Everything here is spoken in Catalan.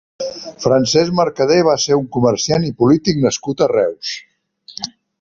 Francesc Mercader va ser un comerciant i polític nascut a Reus.